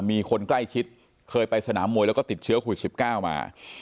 มีคนใกล้ชิดเคยไปสนามมวยแล้วก็ติดเชื้อโควิด๑๙มา